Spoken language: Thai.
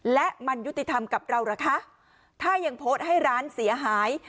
และมันยุติธรรมกับเราเหรอคะถ้ายังโพสต์ให้ร้านเสียหาย